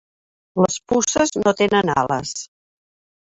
Les puces no tenen ales.